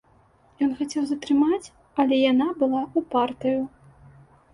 Ён хацеў затрымаць, але яна была ўпартаю.